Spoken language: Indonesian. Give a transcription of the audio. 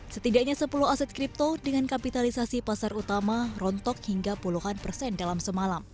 setidaknya sepuluh aset kripto dengan kapitalisasi pasar utama rontok hingga puluhan persen dalam semalam